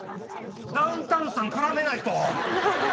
ダウンタウンさん絡めないと。